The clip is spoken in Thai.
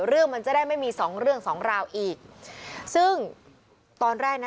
เรื่องมันจะได้ไม่มีสองเรื่องสองราวอีกซึ่งตอนแรกนะ